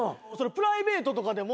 プライベートのことも。